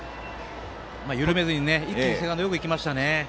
緩めずに一気にセカンドへよくいきましたね。